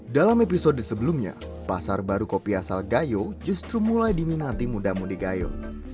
dalam episode sebelumnya pasar baru kopi asal gayo justru mulai diminati muda mudi gayo